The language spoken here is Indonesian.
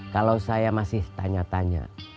kalau saya masih tanya tanya